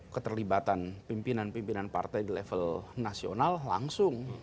keterlibatan pimpinan pimpinan partai di level nasional langsung